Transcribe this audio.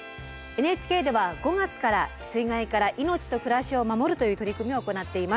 ＮＨＫでは５月から「水害から命と暮らしを守る」という取り組みを行っています。